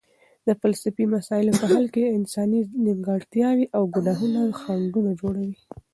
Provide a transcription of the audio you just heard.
د فلسفي مسایلو په حل کې انساني نیمګړتیاوې او ګناهونه خنډونه جوړوي.